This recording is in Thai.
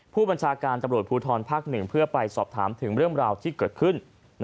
ผู้บัญชาการตำรวจภูทรภาค๑เพื่อไปสอบถามถึงเรื่องราวที่เกิดขึ้น